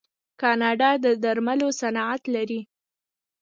کاناډا د درملو صنعت لري.